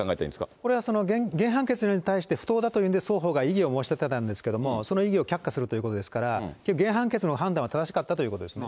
これは原判決に対して、不当だというんで、双方が異議を申し立てたんですが、その意義を却下するということですから、原判決の判断は正しかったということですね。